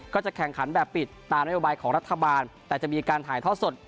ก็จะแข่งขันแบบปิดตามนโยบายของรัฐบาลแต่จะมีการถ่ายทอดสด